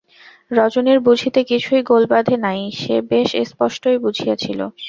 রজনীর বুঝিতে কিছুই গোল বাধে নাই, সে বেশ স্পস্টই বুঝিয়াছিল।